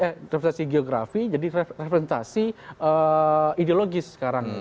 representasi geografi jadi representasi ideologis sekarang